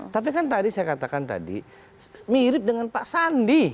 tapi kan tadi saya katakan tadi mirip dengan pak sandi